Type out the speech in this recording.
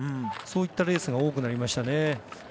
そういったレースが多くなりましたね。